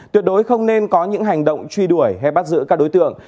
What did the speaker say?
tuyệt đối không nên có những hành động truy đuổi hay bắt giữ các đối tượng